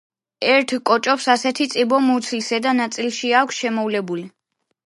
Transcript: ერთ კოჭობს ასეთი წიბო მუცლის ზედა ნაწილშიც აქვს შემოვლებული.